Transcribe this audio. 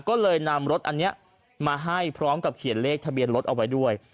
ก็เลยนำรถอันนี้มาให้พร้อมกับเขียนเลขทะเบียนรถเอาไว้ด้วย